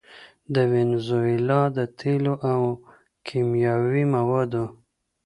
د وينزويلا د تېلو او کيمياوي موادو